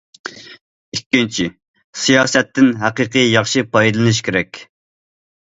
ئىككىنچى، سىياسەتتىن ھەقىقىي ياخشى پايدىلىنىش كېرەك.